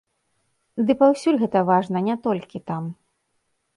Ды, паўсюль гэта важна, не толькі там.